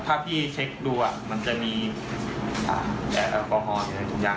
ถ้าพี่เช็คดูอ่ะมันจะมีแอลโอปอฮอล์ในถุงยาง